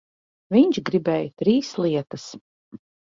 Viņš gribēja trīs lietas.